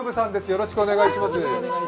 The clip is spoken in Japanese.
よろしくお願いします。